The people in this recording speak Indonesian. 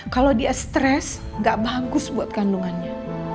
kalau dia stress gak bagus buat kandungannya